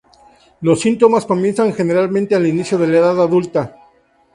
Los síntomas comienzan generalmente al inicio de la edad adulta.